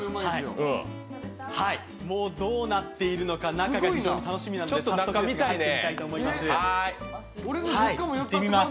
どうなっているのか中が非常に楽しみなんですが入ってみたいと思います。